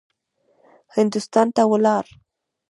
هندوستان ته ولاړ.